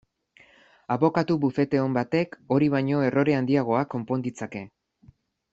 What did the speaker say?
Abokatu bufete on batek hori baino errore handiagoak konpon ditzake.